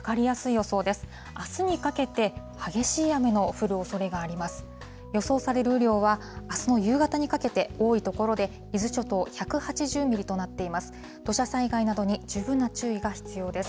予想される雨量は、あすの夕方にかけて、多い所で伊豆諸島１８０ミリとなっています。